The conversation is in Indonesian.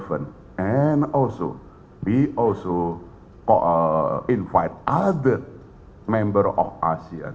pak tiga roma sale ke seluruh perusahaan